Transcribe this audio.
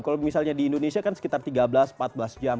kalau misalnya di indonesia kan sekitar tiga belas empat belas jam